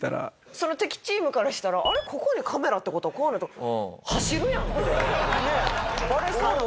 その敵チームからしたら「あれ？ここにカメラって事はこうなると走るやん」ってねえバレそうやのに。